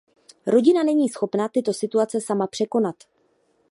Rodina není schopna tyto situace sama překonat.